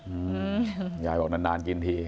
อืมยายบอกนานนานกินที